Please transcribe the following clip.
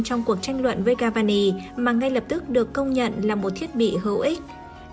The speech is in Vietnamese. trong cuộc tranh luận với cavani mà ngay lập tức được công nhận là một thiết bị hữu ích